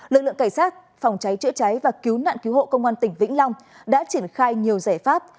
lực lượng cảnh sát phòng cháy chữa cháy và cứu nạn cứu hộ công an tỉnh vĩnh long đã triển khai nhiều giải pháp